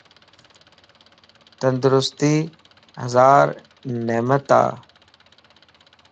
تندرستي ھزار نعمت ا